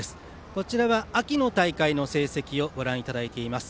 こちらは秋の大会の成績をご覧いただいています。